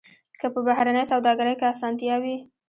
که په بهرنۍ سوداګرۍ کې اسانتیا وي.